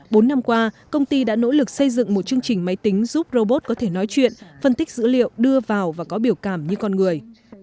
bốn năm qua công ty đã nỗ lực xây dựng một chương trình máy tính giúp robot có thể nói chuyện phân tích dữ liệu đưa vào và có biểu cảm như con người